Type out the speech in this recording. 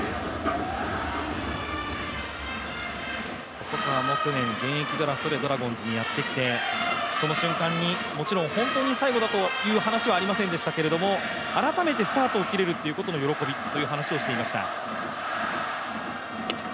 細川も去年、現役ドラフトで、ドラゴンズにやってきてその瞬間にもちろん本当に最後だという話はありませんでしたけど改めてスタートを切れるっていうことの喜びという話をしていました。